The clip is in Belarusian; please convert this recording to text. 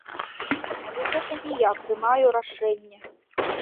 Але гэта не я прымаю рашэнне.